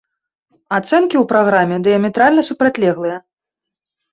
Ацэнкі ў праграмы дыяметральна супрацьлеглыя.